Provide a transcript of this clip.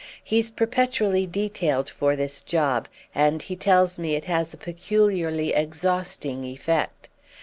He's perpetually detailed for this job, and he tells me it has a peculiarly exhausting effect.